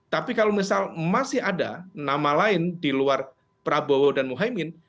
tapi kalau misal masih ada nama lain di luar prabowo dan muhaymin